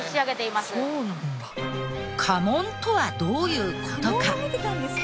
家紋とはどういう事か。